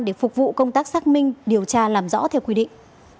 để phục vụ công tác xác minh điều tra làm rõ theo quy định